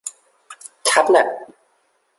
แท็บเลต